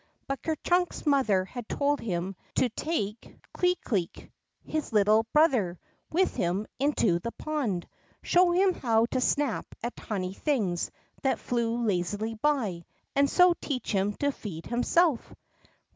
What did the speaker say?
But Ker Chunk's mother had told him to take 11 12 THE ROCK FROG Clee Cleek, his little brother, with him into the pond, show him how to snap at tiny things that flew lazily by, and so teach him to feed himself.